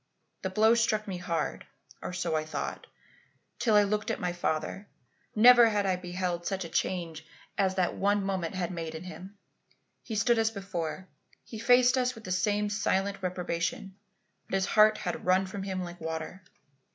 The blow struck me hard, or so I thought, till I looked at my father. Never had I beheld such a change as that one moment had made in him. He stood as before; he faced us with the same silent reprobation; but his heart had run from him like water.